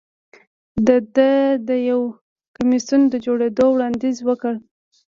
ده د یو کمېسیون د جوړېدو وړاندیز وکړ.